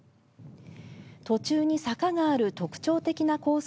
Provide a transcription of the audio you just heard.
途中に坂がある特徴的なコース